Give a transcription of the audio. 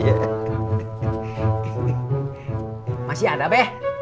bhais ada beh